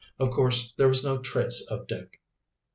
Of course there was no trace of Dick.